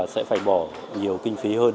sẽ phải bỏ nhiều kinh phí hơn